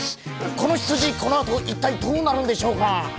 この羊、このあと一体どうなるんでしょうか。